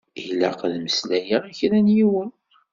Ilaq ad meslayeɣ i kra n yiwen.